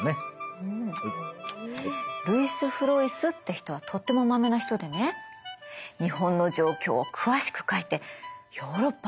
ルイス・フロイスって人はとてもまめな人でね日本の状況を詳しく書いてヨーロッパに伝えてたの。